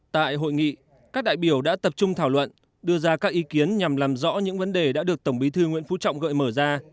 tại hội nghị các đại biểu đã tập trung thảo luận đưa ra các ý kiến nhằm làm rõ những vấn đề đã được tổng bí thư nguyễn phú trọng gợi mở ra